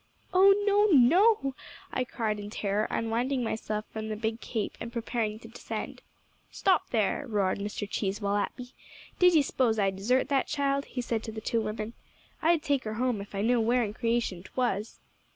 "'Oh, no no,' I cried in terror, unwinding myself from the big cape and preparing to descend. "'Stop there!' roared Mr. Cheesewell at me. 'Did ye s'pose I'd desert that child?' he said to the two women. 'I'd take her home, ef I knew where in creation 'twas.'